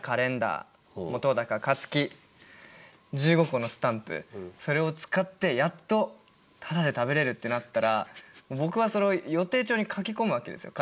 １５個のスタンプそれを使ってやっとタダで食べれるってなったら僕はそれを予定帳に書き込むわけですよ。